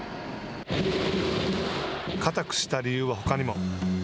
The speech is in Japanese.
硬くした理由は、ほかにも。